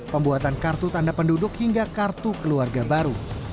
pembuatan kartu tanda penduduk hingga kartu keluarga baru